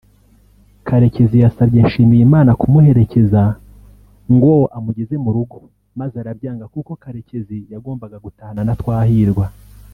Karekezi yasabye Nshimiyimana kumuherekeza ngo amugeze mu rugo maze arabyanga kuko Karekezi yagombaga gutahana na Twahirwa